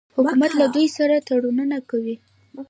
حکومت له دوی سره تړونونه کوي.